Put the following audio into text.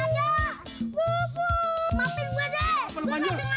coba juga best